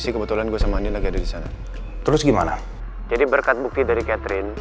gue turun tangan